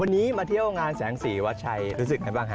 วันนี้มาเที่ยวงานแสงสีวัชชัยรู้สึกไงบ้างคะ